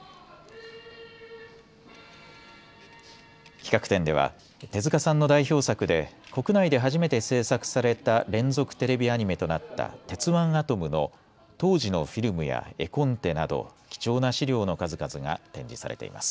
企画展では手塚さんの代表作で国内で初めて制作された連続テレビアニメとなった鉄腕アトムの当時のフィルムや絵コンテなど貴重な資料の数々が展示されています。